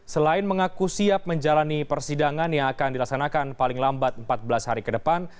selain mengaku siap menjalani persidangan yang akan dilaksanakan paling lambat empat belas hari ke depan